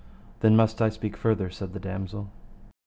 Then must I speak further, said the damosel.